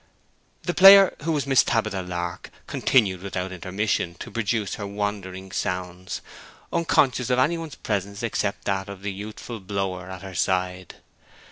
The player, who was Miss Tabitha Lark, continued without intermission to produce her wandering sounds, unconscious of any one's presence except that of the youthful blower at her side.